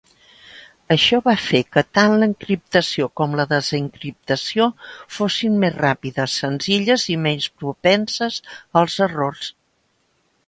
Això va fer que tant l'encriptació com la desencriptació fossin més ràpides, senzilles i menys propenses als errors.